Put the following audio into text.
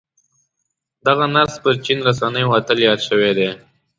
دغه نرس پر چين رسنيو اتل ياد شوی دی.